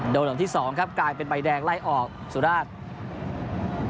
โดนออกที่สองครับกลายเป็นใบแดงไล่ออกสุราช